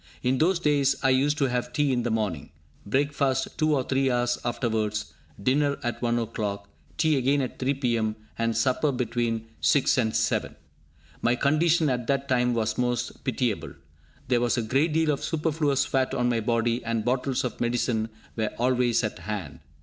In those days I used to have tea in the morning, breakfast two or three hours afterwards, dinner at one o'clock, tea again at 3 p.m., and supper between 6 and 7! My condition at that time was most pitiable. There was a great deal of superfluous fat on my body, and bottles of medicine were always at hand.